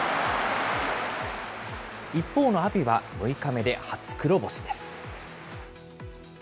一方の阿炎は６日目で初黒星です。